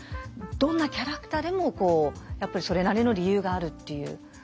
どんなキャラクターでもやっぱりそれなりの理由があるっていう。